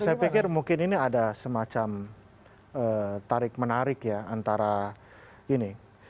saya pikir mungkin ini ada semacam tarik menarik ya antara ini